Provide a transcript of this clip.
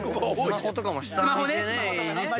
スマホとかね。